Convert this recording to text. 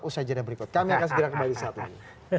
usaha jadwal berikut kami akan segera kembali saat ini